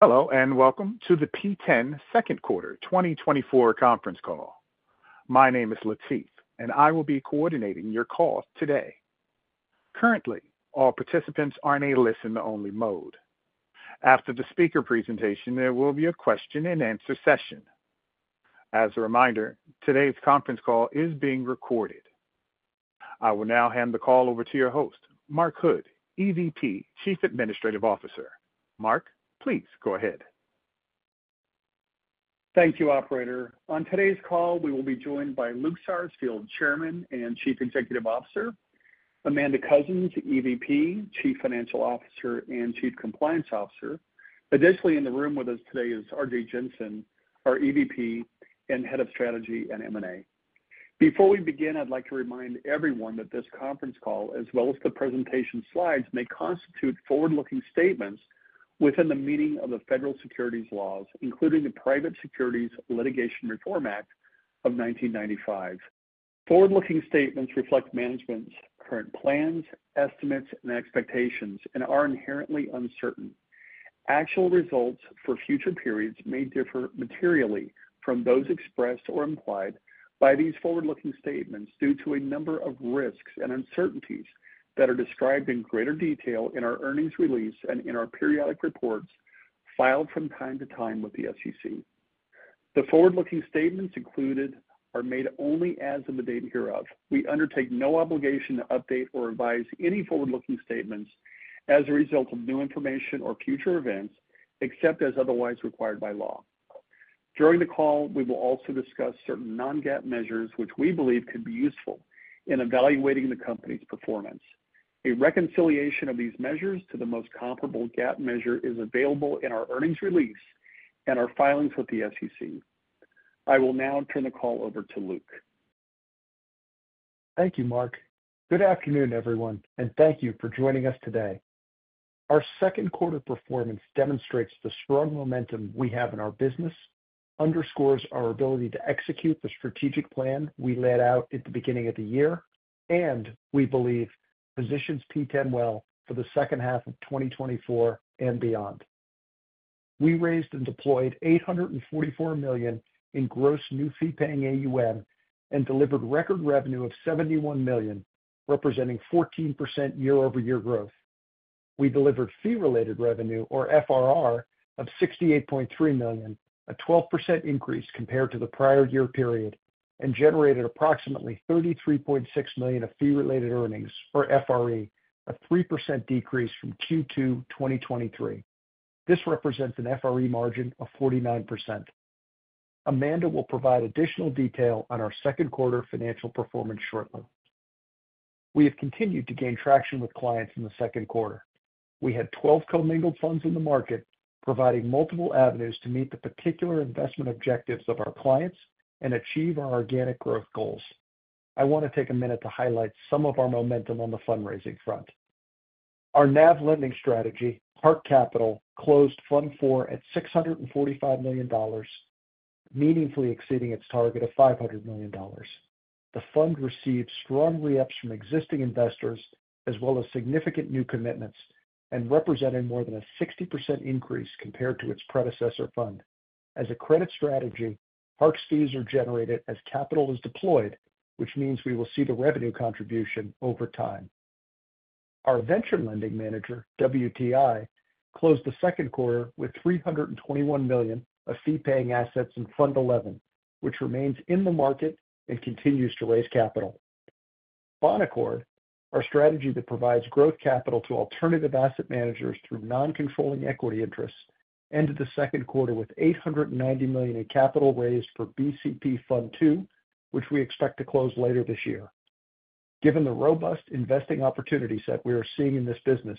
Hello, and welcome to the P10 second quarter 2024 conference call. My name is Latif, and I will be coordinating your call today. Currently, all participants are in a listen-only mode. After the speaker presentation, there will be a question-and-answer session. As a reminder, today's conference call is being recorded. I will now hand the call over to your host, Mark Hood, EVP, Chief Administrative Officer. Mark, please go ahead. Thank you, operator. On today's call, we will be joined by Luke Sarsfield, Chairman and Chief Executive Officer, Amanda Coussens, EVP, Chief Financial Officer, and Chief Compliance Officer. Additionally, in the room with us today is Arjay Jensen, our EVP and Head of Strategy and M&A. Before we begin, I'd like to remind everyone that this conference call, as well as the presentation slides, may constitute forward-looking statements within the meaning of the federal securities laws, including the Private Securities Litigation Reform Act of 1995. Forward-looking statements reflect management's current plans, estimates, and expectations and are inherently uncertain. Actual results for future periods may differ materially from those expressed or implied by these forward-looking statements due to a number of risks and uncertainties that are described in greater detail in our earnings release and in our periodic reports filed from time to time with the SEC. The forward-looking statements included are made only as of the date hereof. We undertake no obligation to update or revise any forward-looking statements as a result of new information or future events, except as otherwise required by law. During the call, we will also discuss certain non-GAAP measures, which we believe could be useful in evaluating the company's performance. A reconciliation of these measures to the most comparable GAAP measure is available in our earnings release and our filings with the SEC. I will now turn the call over to Luke. Thank you, Mark. Good afternoon, everyone, and thank you for joining us today. Our second quarter performance demonstrates the strong momentum we have in our business, underscores our ability to execute the strategic plan we laid out at the beginning of the year, and we believe positions P10 well for the second half of 2024 and beyond. We raised and deployed $844 million in gross new fee-paying AUM and delivered record revenue of $71 million, representing 14% year-over-year growth. We delivered fee-related revenue, or FRR, of $68.3 million, a 12% increase compared to the prior year period, and generated approximately $33.6 million of fee-related earnings, or FRE, a 3% decrease from Q2 2023. This represents an FRE margin of 49%. Amanda will provide additional detail on our second quarter financial performance shortly. We have continued to gain traction with clients in the second quarter. We had 12 commingled funds in the market, providing multiple avenues to meet the particular investment objectives of our clients and achieve our organic growth goals. I want to take a minute to highlight some of our momentum on the fundraising front. Our NAV lending strategy, Hark Capital, closed Fund Four at $645 million, meaningfully exceeding its target of $500 million. The fund received strong re-ups from existing investors, as well as significant new commitments, and represented more than a 60% increase compared to its predecessor fund. As a credit strategy, Hark's fees are generated as capital is deployed, which means we will see the revenue contribution over time. Our venture lending manager, WTI, closed the second quarter with $321 million of fee-paying assets in Fund Eleven, which remains in the market and continues to raise capital. Bonaccord, our strategy that provides growth capital to alternative asset managers through non-controlling equity interests, ended the second quarter with $890 million in capital raised for BCP Fund Two, which we expect to close later this year. Given the robust investing opportunities that we are seeing in this business,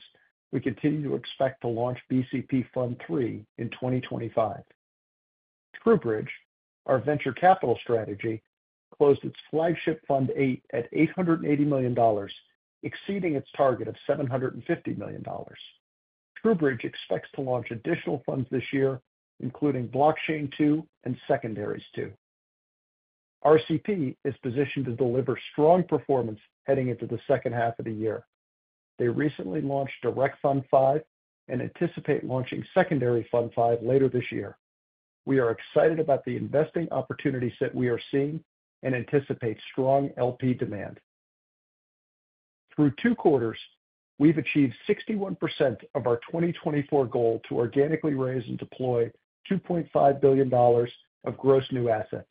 we continue to expect to launch BCP Fund Three in 2025. TrueBridge, our venture capital strategy, closed its flagship Fund Eight at $880 million, exceeding its target of $750 million. TrueBridge expects to launch additional funds this year, including Blockchain Two and Secondaries Two. RCP is positioned to deliver strong performance heading into the second half of the year. They recently launched Direct Fund Five and anticipate launching Secondary Fund Five later this year. We are excited about the investing opportunities that we are seeing and anticipate strong LP demand. Through two quarters, we've achieved 61% of our 2024 goal to organically raise and deploy $2.5 billion of gross new assets.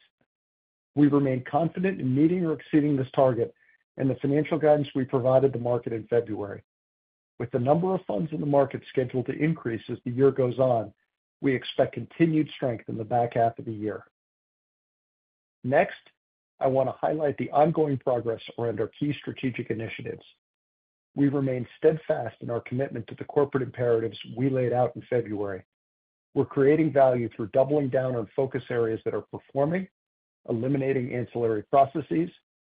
We remain confident in meeting or exceeding this target and the financial guidance we provided the market in February. With the number of funds in the market scheduled to increase as the year goes on, we expect continued strength in the back half of the year. Next, I want to highlight the ongoing progress around our key strategic initiatives. We remain steadfast in our commitment to the corporate imperatives we laid out in February. We're creating value through doubling down on focus areas that are performing, eliminating ancillary processes,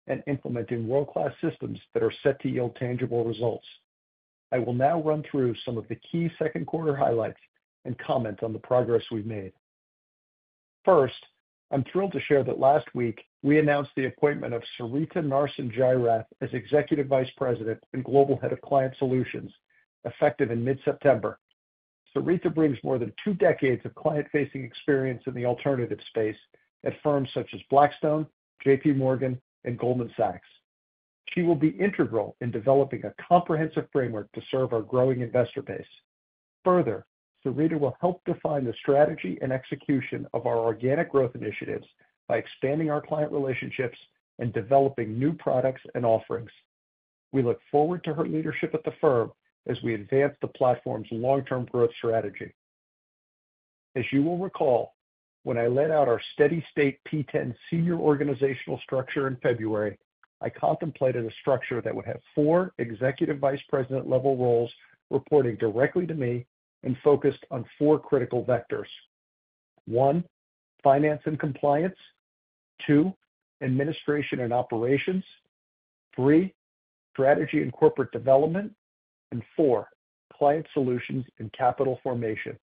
and implementing world-class systems that are set to yield tangible results. I will now run through some of the key second quarter highlights and comment on the progress we've made. First, I'm thrilled to share that last week we announced the appointment of Sarita Narasimhan as Executive Vice President and Global Head of Client Solutions, effective in mid-September. Sarita brings more than two decades of client-facing experience in the alternatives space at firms such as Blackstone, J.P. Morgan, and Goldman Sachs. She will be integral in developing a comprehensive framework to serve our growing investor base. Further, Sarita will help define the strategy and execution of our organic growth initiatives by expanding our client relationships and developing new products and offerings. We look forward to her leadership at the firm as we advance the platform's long-term growth strategy. As you will recall, when I laid out our steady state P10 senior organizational structure in February, I contemplated a structure that would have four executive vice president-level roles reporting directly to me and focused on four critical vectors. One, finance and compliance. Two, administration and operations. Three, strategy and corporate development, and four, client solutions and capital formation.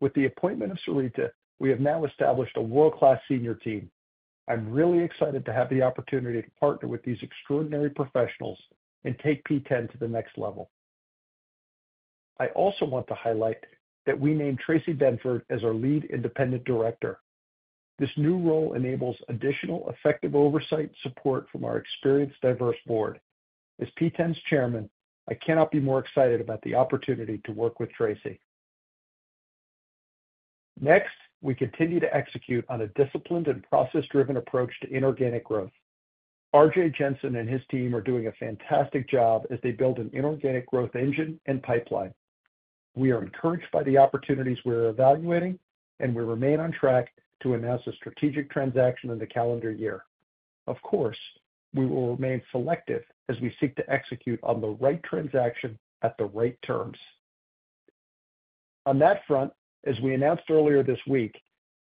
With the appointment of Sarita, we have now established a world-class senior team. I'm really excited to have the opportunity to partner with these extraordinary professionals and take P10 to the next level. I also want to highlight that we named Tracey Benford as our Lead Independent Director. This new role enables additional effective oversight support from our experienced, diverse board. As P10's chairman, I cannot be more excited about the opportunity to work with Tracey. Next, we continue to execute on a disciplined and process-driven approach to inorganic growth. Arjay Jensen and his team are doing a fantastic job as they build an inorganic growth engine and pipeline. We are encouraged by the opportunities we are evaluating, and we remain on track to announce a strategic transaction in the calendar year. Of course, we will remain selective as we seek to execute on the right transaction at the right terms. On that front, as we announced earlier this week,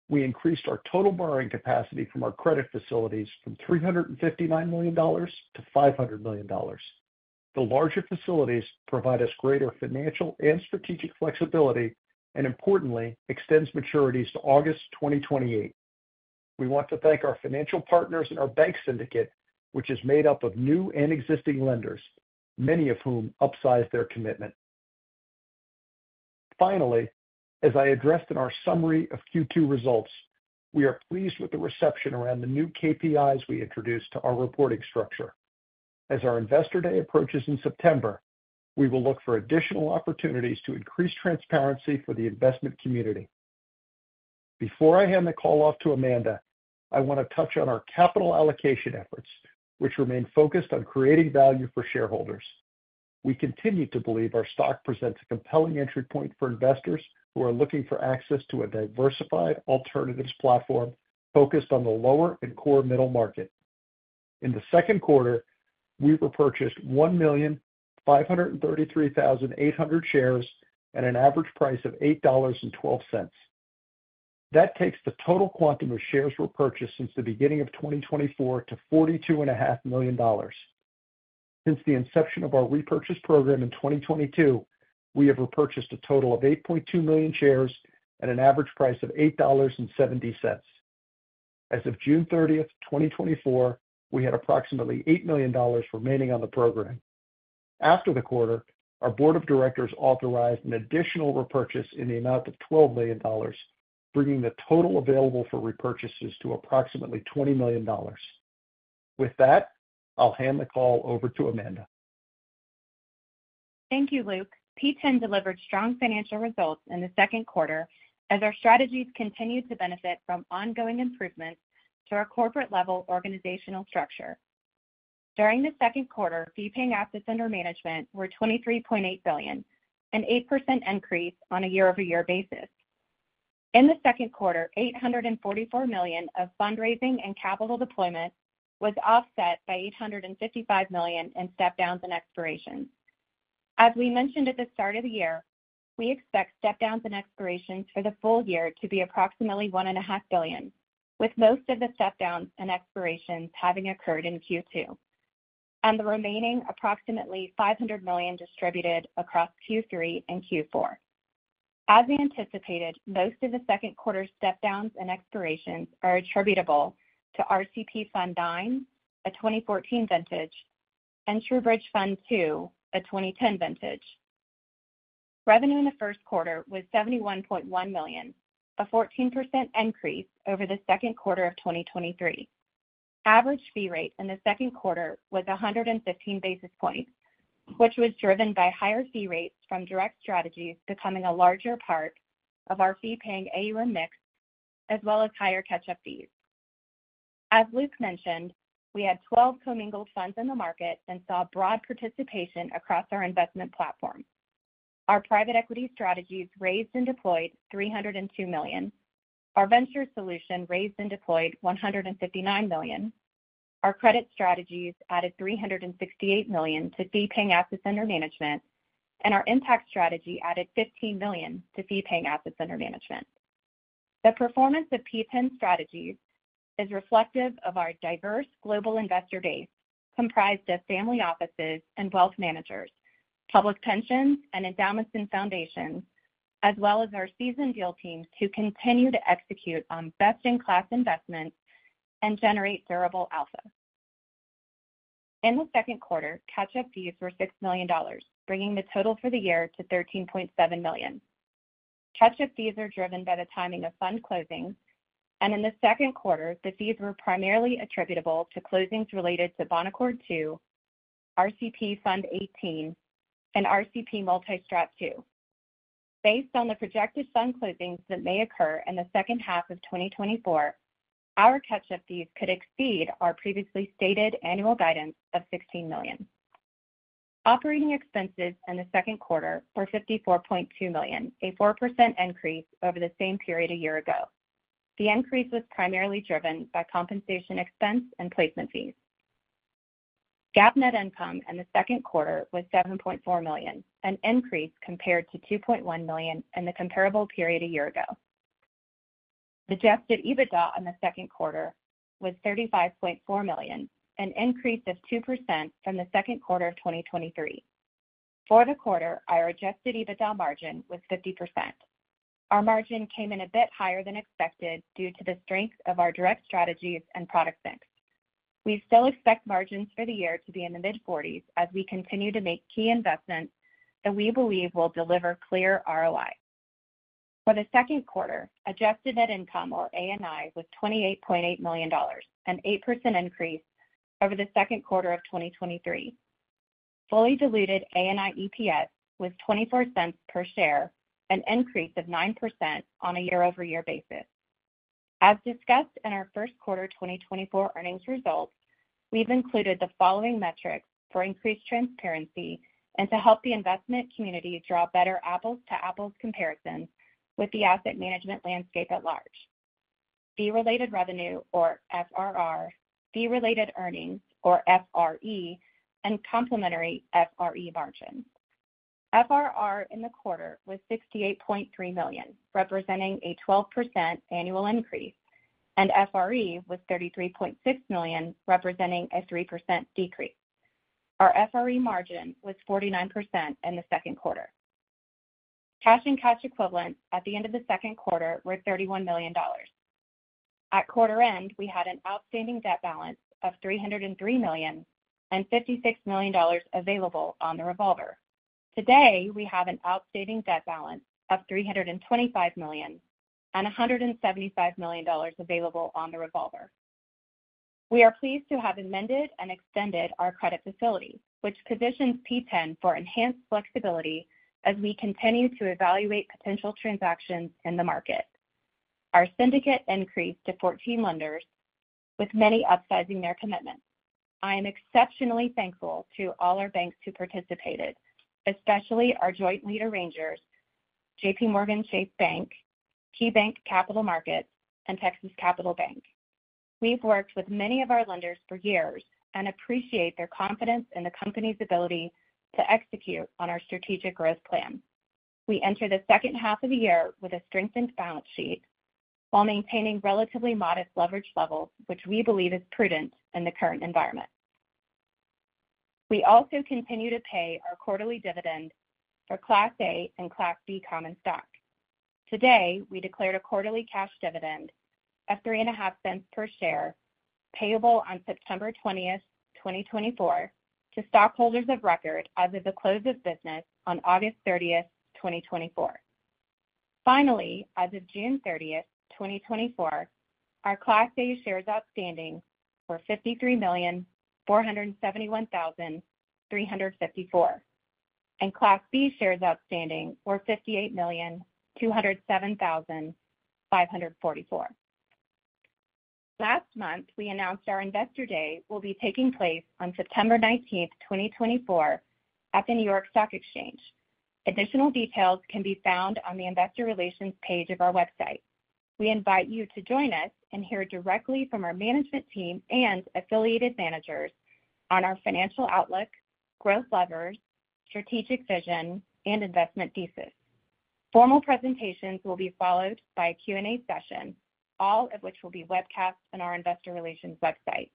we increased our total borrowing capacity from our credit facilities from $359 million to $500 million. The larger facilities provide us greater financial and strategic flexibility, and importantly, extends maturities to August 2028. We want to thank our financial partners and our bank syndicate, which is made up of new and existing lenders, many of whom upsized their commitment. Finally, as I addressed in our summary of Q2 results, we are pleased with the reception around the new KPIs we introduced to our reporting structure. As our Investor Day approaches in September, we will look for additional opportunities to increase transparency for the investment community. Before I hand the call off to Amanda, I want to touch on our capital allocation efforts, which remain focused on creating value for shareholders. We continue to believe our stock presents a compelling entry point for investors who are looking for access to a diversified alternatives platform focused on the lower and core middle market. In the second quarter, we repurchased 1,533,800 shares at an average price of $8.12. That takes the total quantum of shares repurchased since the beginning of 2024 to $42.5 million. Since the inception of our repurchase program in 2022, we have repurchased a total of 8.2 million shares at an average price of $8.70. As of June 30th, 2024, we had approximately $8 million remaining on the program. After the quarter, our board of directors authorized an additional repurchase in the amount of $12 million, bringing the total available for repurchases to approximately $20 million. With that, I'll hand the call over to Amanda. Thank you, Luke. P10 delivered strong financial results in the second quarter as our strategies continued to benefit from ongoing improvements to our corporate-level organizational structure. During the second quarter, fee-paying assets under management were $23.8 billion, an 8% increase on a year-over-year basis. In the second quarter, $844 million of fundraising and capital deployment was offset by $855 million in step downs and expirations. As we mentioned at the start of the year, we expect step downs and expirations for the full year to be approximately $1.5 billion, with most of the step downs and expirations having occurred in Q2, and the remaining approximately $500 million distributed across Q3 and Q4. As we anticipated, most of the second quarter step downs and expirations are attributable to RCP Fund IX, a 2014 vintage, and TrueBridge Fund II, a 2010 vintage. Revenue in the first quarter was $71.1 million, a 14% increase over the second quarter of 2023. Average fee rate in the second quarter was 115 basis points, which was driven by higher fee rates from direct strategies becoming a larger part of our fee-paying AUM mix, as well as higher catch-up fees. As Luke mentioned, we had 12 commingled funds in the market and saw broad participation across our investment platform. Our private equity strategies raised and deployed $302 million. Our venture solution raised and deployed $159 million. Our credit strategies added $368 million to fee-paying assets under management, and our impact strategy added $15 million to fee-paying assets under management. The performance of P10 strategies is reflective of our diverse global investor base, comprised of family offices and wealth managers, public pensions, and endowments and foundations, as well as our seasoned deal teams who continue to execute on best-in-class investments and generate durable alpha. In the second quarter, catch-up fees were $6 million, bringing the total for the year to $13.7 million. Catch-up fees are driven by the timing of fund closings, and in the second quarter, the fees were primarily attributable to closings related to Bonaccord Two, RCP Fund XVIII, and RCP Multi-Strat Two. Based on the projected fund closings that may occur in the second half of 2024, our catch-up fees could exceed our previously stated annual guidance of $16 million. Operating expenses in the second quarter were $54.2 million, a 4% increase over the same period a year ago. The increase was primarily driven by compensation expense and placement fees. GAAP net income in the second quarter was $7.4 million, an increase compared to $2.1 million in the comparable period a year ago. Adjusted EBITDA in the second quarter was $35.4 million, an increase of 2% from the second quarter of 2023. For the quarter, our adjusted EBITDA margin was 50%. Our margin came in a bit higher than expected due to the strength of our direct strategies and product mix. We still expect margins for the year to be in the mid-40s% as we continue to make key investments that we believe will deliver clear ROI. For the second quarter, adjusted net income, or ANI, was $28.8 million, an 8% increase over the second quarter of 2023. Fully diluted ANI EPS was $0.24 per share, an increase of 9% on a year-over-year basis. As discussed in our first quarter 2024 earnings results, we've included the following metrics for increased transparency and to help the investment community draw better apples-to-apples comparisons with the asset management landscape at large: fee-related revenue, or FRR, fee-related earnings, or FRE, and complementary FRE margin. FRR in the quarter was $68.3 million, representing a 12% annual increase, and FRE was $33.6 million, representing a 3% decrease. Our FRE margin was 49% in the second quarter. Cash and cash equivalents at the end of the second quarter were $31 million. At quarter end, we had an outstanding debt balance of $303 million, and $56 million available on the revolver. Today, we have an outstanding debt balance of $325 million, and $175 million available on the revolver. We are pleased to have amended and extended our credit facility, which positions P10 for enhanced flexibility as we continue to evaluate potential transactions in the market. Our syndicate increased to 14 lenders, with many upsizing their commitments. I am exceptionally thankful to all our banks who participated, especially our joint lead arrangers, JPMorgan Chase Bank, KeyBank Capital Markets, and Texas Capital Bank. We've worked with many of our lenders for years and appreciate their confidence in the company's ability to execute on our strategic growth plan. We enter the second half of the year with a strengthened balance sheet while maintaining relatively modest leverage levels, which we believe is prudent in the current environment. We also continue to pay our quarterly dividend for Class A and Class B common stock. Today, we declared a quarterly cash dividend of $0.035 per share, payable on September twentieth, 2024, to stockholders of record as of the close of business on August thirtieth, 2024. Finally, as of June 30th, 2024, our Class A shares outstanding were 53,471,354, and Class B shares outstanding were 58,207,544. Last month, we announced our Investor Day will be taking place on September 19, 2024, at the New York Stock Exchange. Additional details can be found on the investor relations page of our website. We invite you to join us and hear directly from our management team and affiliated managers on our financial outlook, growth levers, strategic vision, and investment thesis. Formal presentations will be followed by a Q&A session, all of which will be webcast on our investor relations website.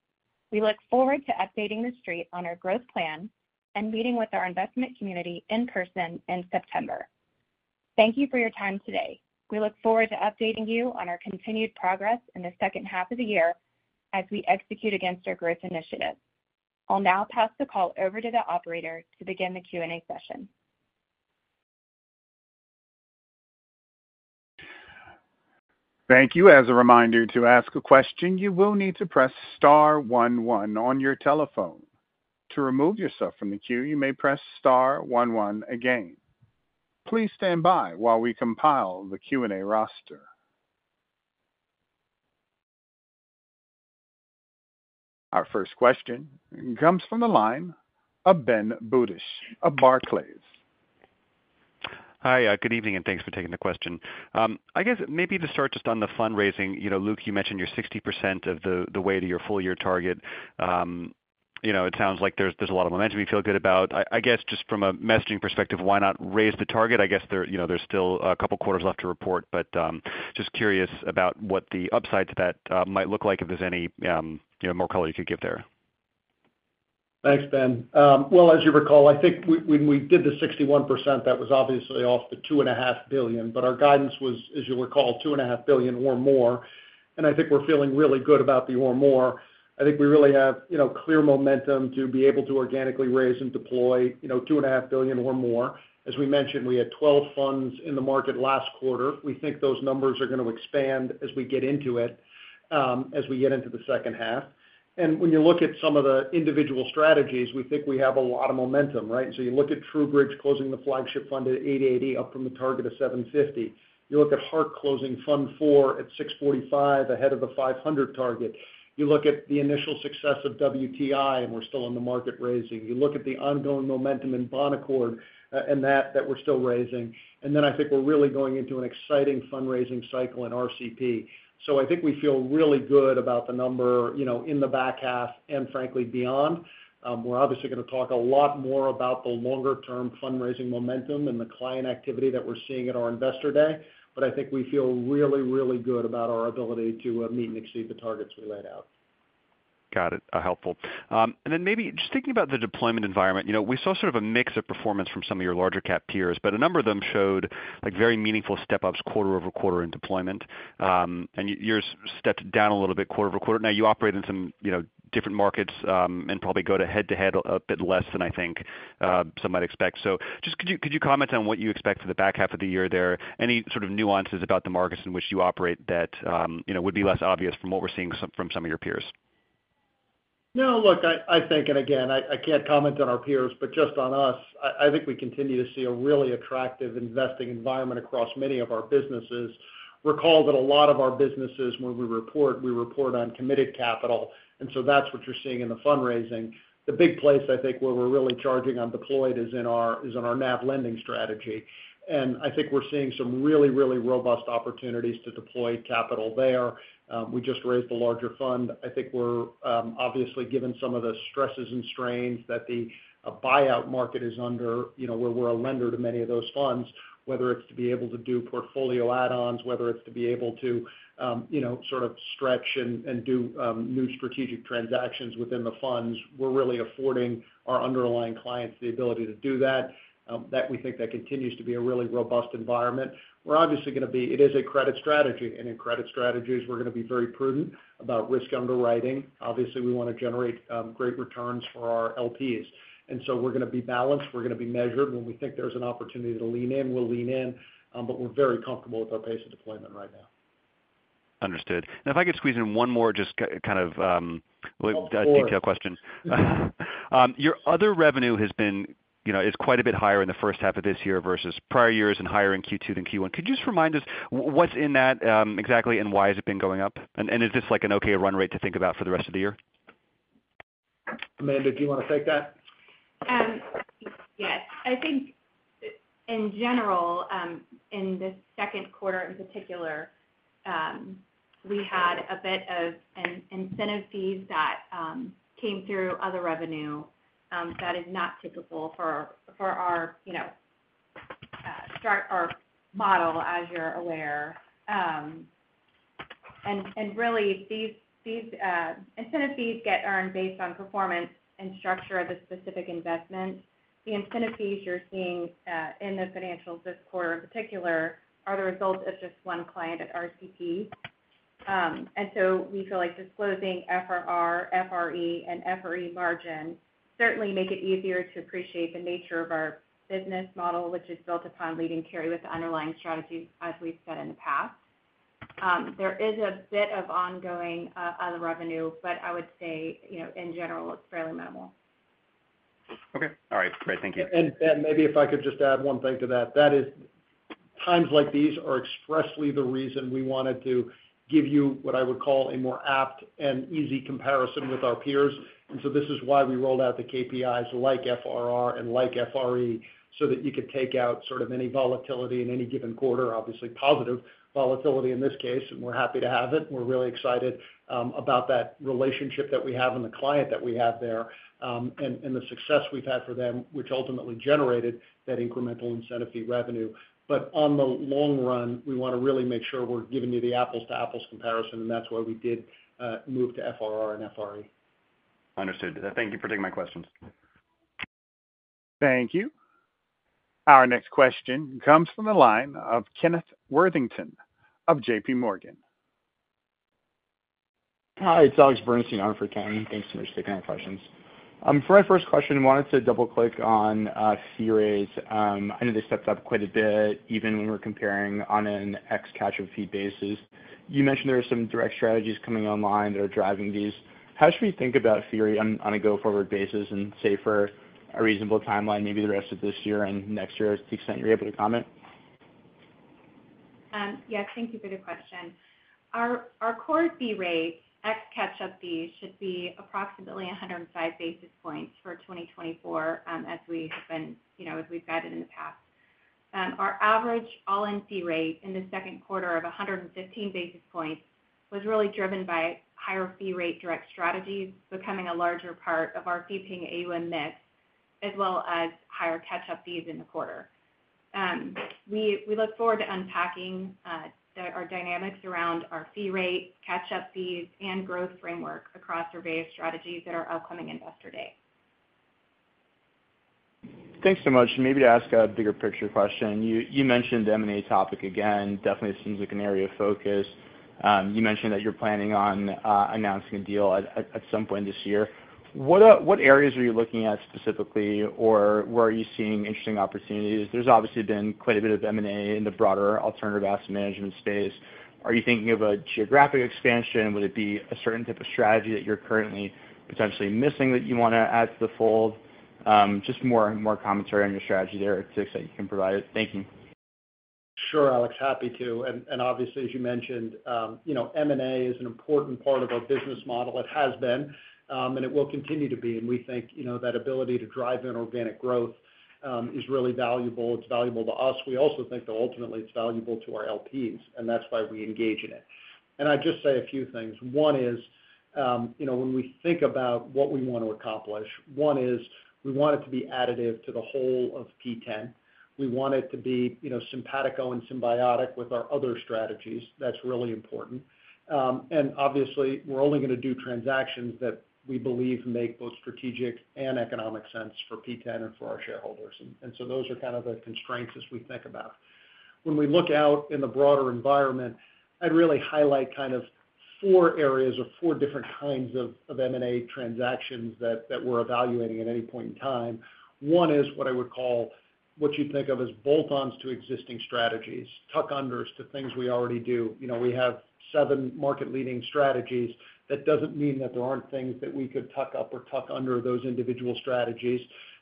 We look forward to updating the Street on our growth plan and meeting with our investment community in person in September. Thank you for your time today. We look forward to updating you on our continued progress in the second half of the year as we execute against our growth initiatives. I'll now pass the call over to the operator to begin the Q&A session. Thank you. As a reminder, to ask a question, you will need to press star one one on your telephone. To remove yourself from the queue, you may press star one one again. Please stand by while we compile the Q&A roster. Our first question comes from the line of Ben Budish of Barclays. Hi, good evening, and thanks for taking the question. I guess maybe to start just on the fundraising, you know, Luke, you mentioned you're 60% of the way to your full-year target. You know, it sounds like there's a lot of momentum you feel good about. I guess just from a messaging perspective, why not raise the target? I guess there, you know, there's still a couple quarters left to report, but just curious about what the upside to that might look like, if there's any, you know, more color you could give there. Thanks, Ben. Well, as you recall, I think when we did the 61%, that was obviously off the $2.5 billion, but our guidance was, as you'll recall, $2.5 billion or more, and I think we're feeling really good about the or more. I think we really have, you know, clear momentum to be able to organically raise and deploy, you know, $2.5 billion or more. As we mentioned, we had 12 funds in the market last quarter. We think those numbers are going to expand as we get into it, as we get into the second half. And when you look at some of the individual strategies, we think we have a lot of momentum, right? So you look at TrueBridge closing the flagship fund at 880, up from the target of 750. You look at Hark closing Fund IV at $645 million, ahead of the $500 million target. You look at the initial success of WTI, and we're still in the market raising. You look at the ongoing momentum in Bonaccord, and that, that we're still raising. And then I think we're really going into an exciting fundraising cycle in RCP. So I think we feel really good about the number, you know, in the back half and frankly, beyond. We're obviously gonna talk a lot more about the longer term fundraising momentum and the client activity that we're seeing at our Investor Day. But I think we feel really, really good about our ability to meet and exceed the targets we laid out. Got it. Helpful. And then maybe just thinking about the deployment environment, you know, we saw sort of a mix of performance from some of your larger cap peers, but a number of them showed, like, very meaningful step-ups quarter-over-quarter in deployment. And yours stepped down a little bit quarter-over-quarter. Now, you operate in some, you know, different markets, and probably go head-to-head a bit less than I think some might expect. So just could you comment on what you expect for the back half of the year there? Any sort of nuances about the markets in which you operate that, you know, would be less obvious from what we're seeing from some of your peers? No, look, I think, and again, I can't comment on our peers, but just on us, I think we continue to see a really attractive investing environment across many of our businesses. Recall that a lot of our businesses, when we report, we report on committed capital, and so that's what you're seeing in the fundraising. The big place, I think, where we're really charging on deployed is in our NAV lending strategy. And I think we're seeing some really, really robust opportunities to deploy capital there. We just raised a larger fund. I think we're obviously, given some of the stresses and strains that the buyout market is under, you know, where we're a lender to many of those funds. Whether it's to be able to do portfolio add-ons, whether it's to be able to, you know, sort of stretch and do new strategic transactions within the funds, we're really affording our underlying clients the ability to do that. That we think that continues to be a really robust environment. We're obviously gonna be it is a credit strategy, and in credit strategies, we're gonna be very prudent about risk underwriting. Obviously, we wanna generate great returns for our LPs, and so we're gonna be balanced. We're gonna be measured. When we think there's an opportunity to lean in, we'll lean in, but we're very comfortable with our pace of deployment right now. Understood. Now, if I could squeeze in one more, just kind of, Of course. detail questions. Your other revenue has been, you know, is quite a bit higher in the first half of this year versus prior years and higher in Q2 than Q1. Could you just remind us what's in that, exactly, and why has it been going up? And is this like an okay run rate to think about for the rest of the year? Amanda, do you wanna take that? Yes. I think in general, in the second quarter, in particular, we had a bit of an incentive fees that came through other revenue that is not typical for our, you know, standard model, as you're aware. And really, these incentive fees get earned based on performance and structure of the specific investment. The incentive fees you're seeing in the financials this quarter in particular are the result of just one client at RCP. And so we feel like disclosing FRR, FRE, and FRE margin certainly make it easier to appreciate the nature of our business model, which is built upon fee and carry with the underlying strategies, as we've said in the past. There is a bit of ongoing other revenue, but I would say, you know, in general, it's fairly minimal. Okay. All right, great. Thank you. And maybe if I could just add one thing to that, that is times like these are expressly the reason we wanted to give you what I would call a more apt and easy comparison with our peers. And so this is why we rolled out the KPIs like FRR and like FRE, so that you could take out sort of any volatility in any given quarter, obviously positive volatility in this case, and we're happy to have it. We're really excited about that relationship that we have and the client that we have there, and the success we've had for them, which ultimately generated that incremental incentive fee revenue. But on the long run, we wanna really make sure we're giving you the apples to apples comparison, and that's why we did move to FRR and FRE. Understood. Thank you for taking my questions. Thank you. Our next question comes from the line of Kenneth Worthington of J.P. Morgan. Hi, it's Alex Bernstein on for Ken. Thanks so much for taking our questions. For my first question, I wanted to double-click on fee rates. I know they stepped up quite a bit, even when we're comparing on an ex catch-up fee basis. You mentioned there are some direct strategies coming online that are driving these. How should we think about fee rate on a go-forward basis and say, for a reasonable timeline, maybe the rest of this year and next year, to the extent you're able to comment? Yes, thank you for the question. Our core fee rate, ex catch-up fees, should be approximately 105 basis points for 2024, as we have been, you know, as we've guided in the past. Our average all-in fee rate in the second quarter of 115 basis points was really driven by higher fee rate direct strategies, becoming a larger part of our fee paying AUM mix, as well as higher catch-up fees in the quarter. We look forward to unpacking our dynamics around our fee rates, catch-up fees, and growth framework across our base strategies at our upcoming Investor Day. Thanks so much. Maybe to ask a bigger picture question, you mentioned the M&A topic again, definitely seems like an area of focus. You mentioned that you're planning on at some point this year. What areas are you looking at specifically, or where are you seeing interesting opportunities? There's obviously been quite a bit of M&A in the broader alternative asset management space. Are you thinking of a geographic expansion? Would it be a certain type of strategy that you're currently potentially missing that you wanna add to the fold? Just more commentary on your strategy there, if you can provide it. Thank you. Sure, Alex, happy to. And obviously, as you mentioned, you know, M&A is an important part of our business model. It has been, and it will continue to be. And we think, you know, that ability to drive inorganic growth is really valuable. It's valuable to us. We also think that ultimately it's valuable to our LPs, and that's why we engage in it. And I'd just say a few things. One is, you know, when we think about what we want to accomplish, one is we want it to be additive to the whole of P10. We want it to be, you know, simpatico and symbiotic with our other strategies. That's really important. And obviously, we're only gonna do transactions that we believe make both strategic and economic sense for P10 and for our shareholders. So those are kind of the constraints as we think about. When we look out in the broader environment, I'd really highlight kind of four areas or four different kinds of M&A transactions that we're evaluating at any point in time. One is what I would call, what you'd think of as bolt-ons to existing strategies, tuck unders to things we already do. You know, we have seven market-leading strategies. That doesn't mean that there aren't things that we could tuck up or tuck under those individual strategies.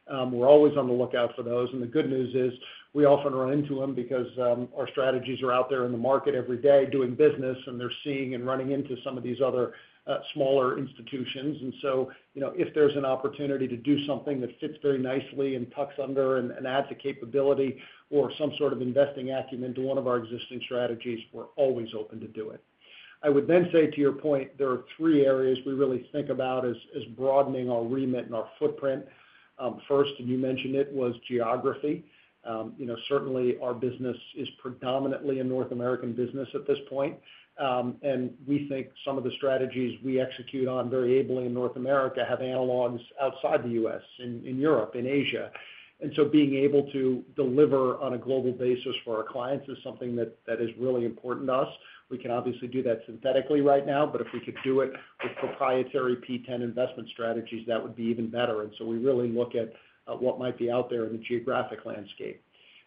We're always on the lookout for those, and the good news is, we often run into them because our strategies are out there in the market every day doing business, and they're seeing and running into some of these other smaller institutions. And so, you know, if there's an opportunity to do something that fits very nicely and tucks under and adds a capability or some sort of investing acumen to one of our existing strategies, we're always open to do it. I would then say, to your point, there are three areas we really think about as broadening our remit and our footprint. First, and you mentioned it, was geography. You know, certainly our business is predominantly a North American business at this point, and we think some of the strategies we execute on very ably in North America have analogs outside the U.S., in Europe, in Asia. And so being able to deliver on a global basis for our clients is something that is really important to us. We can obviously do that synthetically right now, but if we could do it with proprietary P10 investment strategies, that would be even better. And so we really look at what might be out there in the geographic landscape.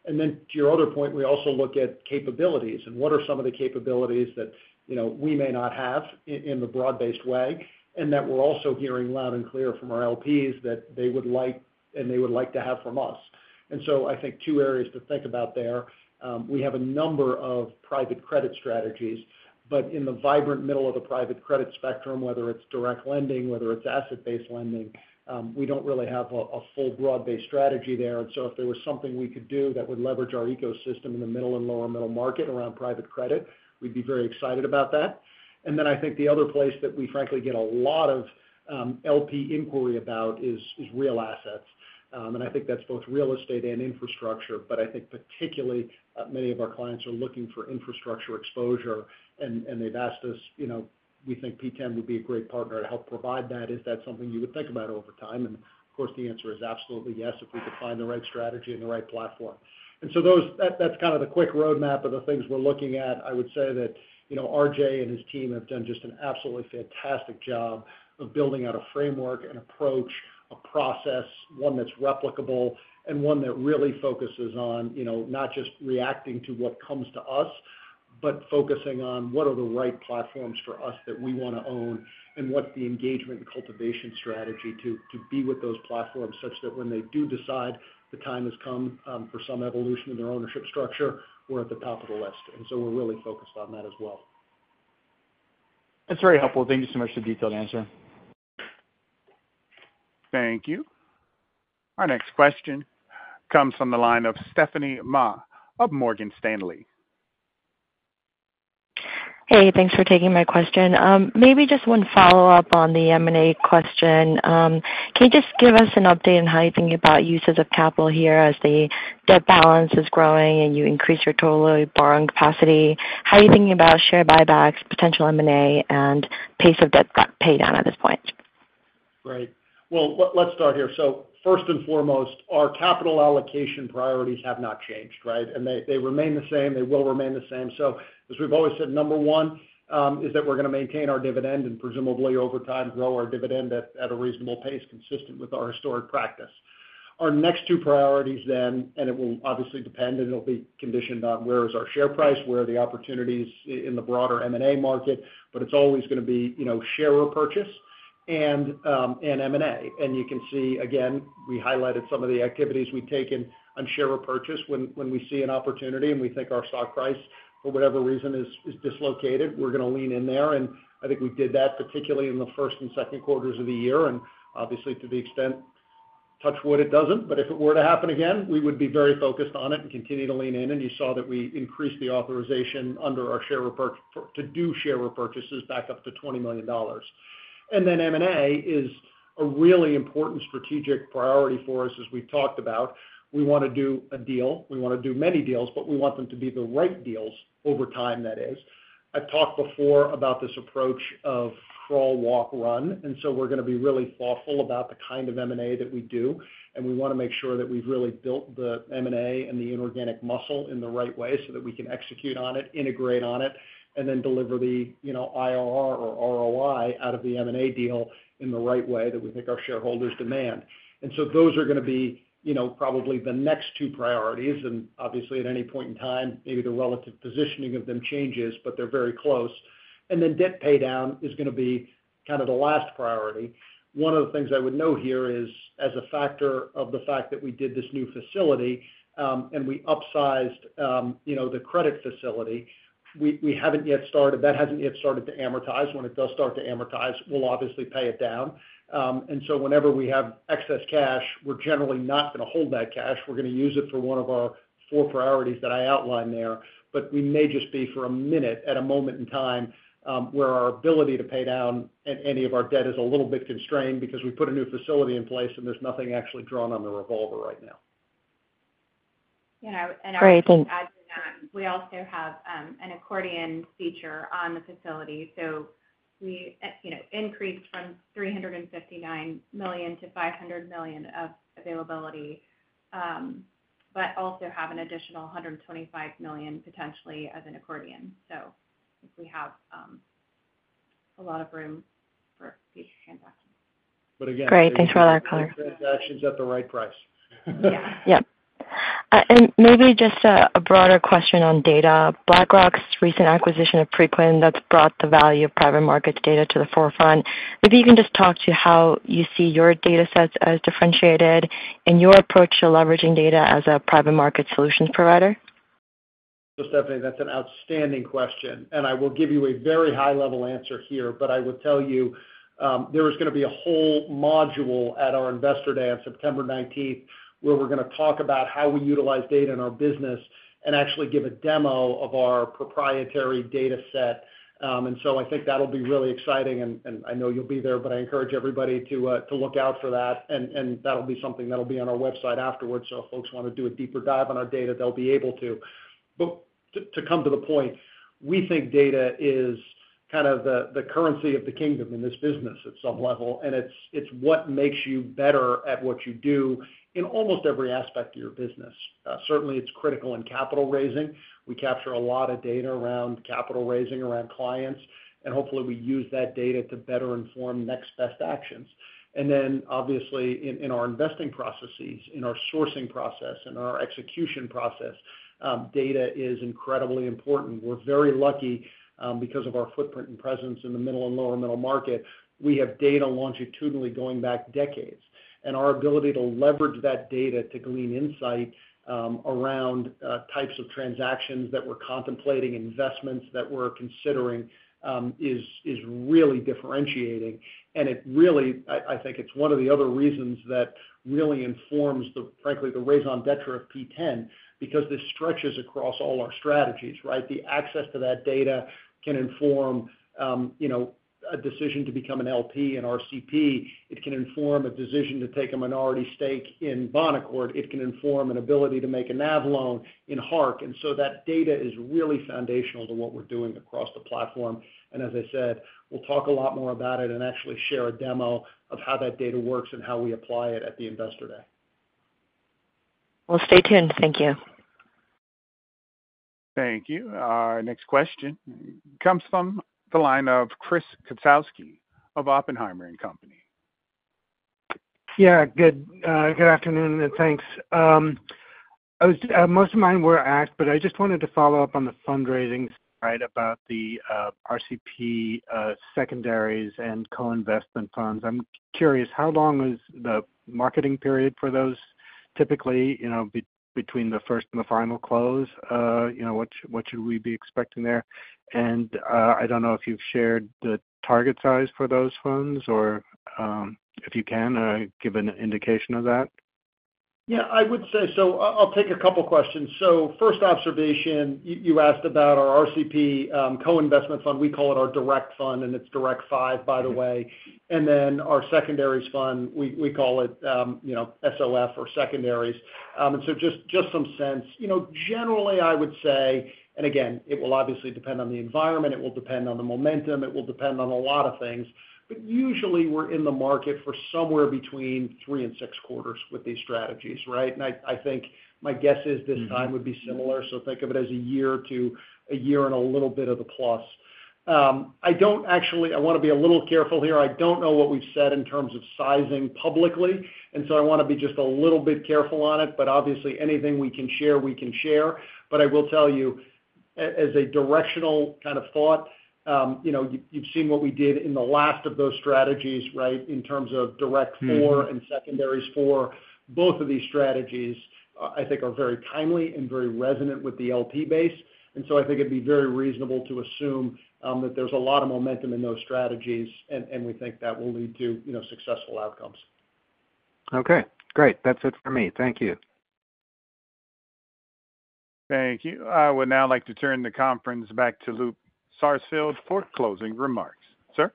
And then, to your other point, we also look at capabilities and what are some of the capabilities that, you know, we may not have in the broad-based way, and that we're also hearing loud and clear from our LPs that they would like, and they would like to have from us. And so I think two areas to think about there. We have a number of private credit strategies, but in the vibrant middle of the private credit spectrum, whether it's direct lending, whether it's asset-based lending, we don't really have a full broad-based strategy there. And so if there was something we could do that would leverage our ecosystem in the middle and lower middle market around private credit, we'd be very excited about that. And then I think the other place that we frankly get a lot of LP inquiry about is real assets. And I think that's both real estate and infrastructure, but I think particularly many of our clients are looking for infrastructure exposure, and they've asked us, you know, "We think P10 would be a great partner to help provide that. Is that something you would think about over time?" And of course, the answer is absolutely yes, if we could find the right strategy and the right platform. And so that's kind of the quick roadmap of the things we're looking at. I would say that, you know, RJ and his team have done just an absolutely fantastic job of building out a framework, an approach, a process, one that's replicable and one that really focuses on, you know, not just reacting to what comes to us, but focusing on what are the right platforms for us that we wanna own, and what's the engagement and cultivation strategy to, to be with those platforms, such that when they do decide the time has come, for some evolution in their ownership structure, we're at the top of the list. And so we're really focused on that as well. That's very helpful. Thank you so much for the detailed answer. Thank you. Our next question comes from the line of Stephanie Ma of Morgan Stanley. Hey, thanks for taking my question. Maybe just one follow-up on the M&A question. Can you just give us an update on how you're thinking about uses of capital here as the debt balance is growing and you increase your total borrowing capacity? How are you thinking about share buybacks, potential M&A, and pace of debt pay down at this point? Right. Well, let's start here. So first and foremost, our capital allocation priorities have not changed, right? And they, they remain the same. They will remain the same. So as we've always said, number one, is that we're gonna maintain our dividend and presumably over time, grow our dividend at a reasonable pace, consistent with our historic practice. Our next two priorities then, and it will obviously depend, and it'll be conditioned on where is our share price, where are the opportunities in the broader M&A market, but it's always gonna be, you know, share or purchase, and M&A. And you can see again, we highlighted some of the activities we've taken on share repurchase. When we see an opportunity and we think our stock price, for whatever reason, is dislocated, we're gonna lean in there. I think we did that particularly in the first and second quarters of the year. Obviously, to the extent. touch wood, it doesn't, but if it were to happen again, we would be very focused on it and continue to lean in. You saw that we increased the authorization under our share repurchase to do share repurchases back up to $20 million. Then M&A is a really important strategic priority for us. As we've talked about, we wanna do a deal, we wanna do many deals, but we want them to be the right deals over time, that is. I've talked before about this approach of crawl, walk, run, and so we're gonna be really thoughtful about the kind of M&A that we do. And we wanna make sure that we've really built the M&A and the inorganic muscle in the right way, so that we can execute on it, integrate on it, and then deliver the, you know, IRR or ROI out of the M&A deal in the right way that we think our shareholders demand. And so those are gonna be, you know, probably the next two priorities. And obviously, at any point in time, maybe the relative positioning of them changes, but they're very close. And then debt paydown is gonna be kind of the last priority. One of the things I would note here is, as a factor of the fact that we did this new facility, and we upsized, you know, the credit facility, we haven't yet started. That hasn't yet started to amortize. When it does start to amortize, we'll obviously pay it down. And so whenever we have excess cash, we're generally not gonna hold that cash. We're gonna use it for one of our four priorities that I outlined there. But we may just be for a minute, at a moment in time, where our ability to pay down any of our debt is a little bit constrained because we put a new facility in place, and there's nothing actually drawn on the revolver right now. Yeah, and I would- Great, thanks. Add to that, we also have an accordion feature on the facility. So we, you know, increased from $359 million to $500 million of availability, but also have an additional $125 million potentially as an accordion. So I think we have a lot of room for these transactions. But again- Great. Thanks for that, color. Transactions at the right price. Yeah. Yep. And maybe just a broader question on data. BlackRock's recent acquisition of Preqin, that's brought the value of private markets data to the forefront. Maybe you can just talk to how you see your data sets as differentiated and your approach to leveraging data as a private market solutions provider. So Stephanie, that's an outstanding question, and I will give you a very high-level answer here. But I will tell you, there is gonna be a whole module at our Investor Day on September nineteenth, where we're gonna talk about how we utilize data in our business and actually give a demo of our proprietary data set. And so I think that'll be really exciting, and I know you'll be there, but I encourage everybody to to look out for that, and that'll be something that'll be on our website afterwards. So if folks wanna do a deeper dive on our data, they'll be able to. But to come to the point, we think data is kind of the currency of the kingdom in this business at some level, and it's what makes you better at what you do in almost every aspect of your business. Certainly, it's critical in capital raising. We capture a lot of data around capital raising, around clients, and hopefully, we use that data to better inform next best actions. And then, obviously, in our investing processes, in our sourcing process, in our execution process, data is incredibly important. We're very lucky, because of our footprint and presence in the middle and lower middle market, we have data longitudinally going back decades. And our ability to leverage that data to glean insight around types of transactions that we're contemplating, investments that we're considering, is really differentiating. And it really, I think it's one of the other reasons that really informs the, frankly, the raison d'être of P10, because this stretches across all our strategies, right? The access to that data can inform, you know, a decision to become an LP in RCP. It can inform a decision to take a minority stake in Bonaccord. It can inform an ability to make a NAV loan in Hark. And so that data is really foundational to what we're doing across the platform. And as I said, we'll talk a lot more about it and actually share a demo of how that data works and how we apply it at the Investor Day. We'll stay tuned. Thank you. Thank you. Our next question comes from the line of Chris Kotowski of Oppenheimer & Co. Yeah, good, good afternoon, and thanks. I was, most of mine were asked, but I just wanted to follow up on the fundraising, right, about the, RCP, secondaries and co-investment funds. I'm curious: How long is the marketing period for those typically, you know, between the first and the final close? You know, what should we be expecting there? And, I don't know if you've shared the target size for those funds or, if you can, give an indication of that. Yeah, I would say so. I'll take a couple questions. So first observation, you asked about our RCP co-investment fund. We call it our direct fund, and it's Direct Five, by the way. And then our secondaries fund, we call it, you know, SOF or Secondaries. And so just some sense. You know, generally, I would say, and again, it will obviously depend on the environment, it will depend on the momentum, it will depend on a lot of things, but usually, we're in the market for somewhere between three and six quarters with these strategies, right? And I think my guess is this time would be similar, so think of it as a year to a year and a little bit of the plus. I don't actually. I wanna be a little careful here. I don't know what we've said in terms of sizing publicly, and so I wanna be just a little bit careful on it, but obviously, anything we can share, we can share. But I will tell you, as a directional kind of thought, you know, you've seen what we did in the last of those strategies, right, in terms of Direct Four- Mm-hmm. - and Secondaries Four. Both of these strategies, I think are very timely and very resonant with the LP base. And so I think it'd be very reasonable to assume that there's a lot of momentum in those strategies, and we think that will lead to, you know, successful outcomes. Okay, great. That's it for me. Thank you. Thank you. I would now like to turn the conference back to Luke Sarsfield for closing remarks. Sir?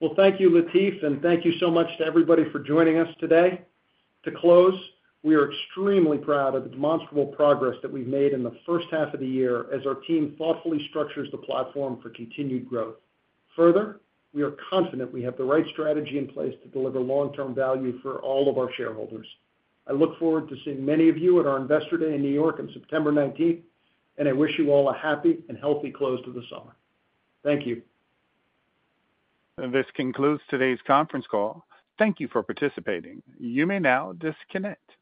Well, thank you, Latif, and thank you so much to everybody for joining us today. To close, we are extremely proud of the demonstrable progress that we've made in the first half of the year as our team thoughtfully structures the platform for continued growth. Further, we are confident we have the right strategy in place to deliver long-term value for all of our shareholders. I look forward to seeing many of you at our Investor Day in New York on September nineteenth, and I wish you all a happy and healthy close to the summer. Thank you. This concludes today's conference call. Thank you for participating. You may now disconnect.